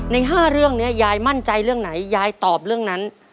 ใน๕เรื่องนี้ยายมั่นใจเรื่องไหนยายตอบเรื่องนั้น